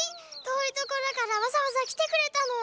とおいところからわざわざきてくれたの？